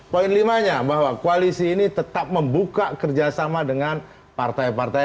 poin lima nya bahwa koalisi ini tetap membuka kerjasama dengan partai partai